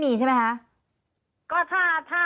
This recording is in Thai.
มันเป็นอาหารของพระราชา